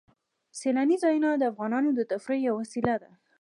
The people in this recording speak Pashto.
سیلانی ځایونه د افغانانو د تفریح یوه وسیله ده.